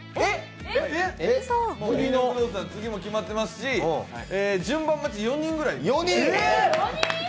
次も決まってますし、順番待ち、４人ぐらい。